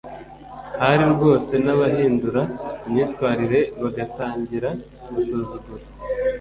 hari rwose n’abahindura imyitwarire bagatangira gusuzugura